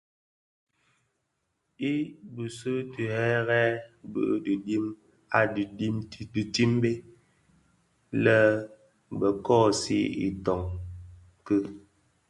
I bisiigherè bi dhim a dhitimbèn lè bè kōōsi itoň ki.